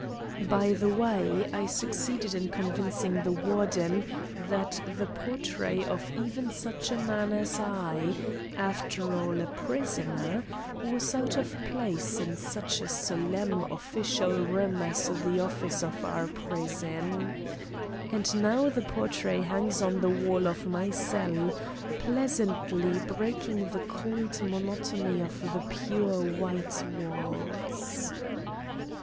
By the way, I succeeded in convincing the Warden that the portrait of even such a man as I, after all a prisoner, was out of place in such a solemn official room as the office of our prison. And now the portrait hangs on the wall of my cell, pleasantly breaking the cold monotony of the pure white walls.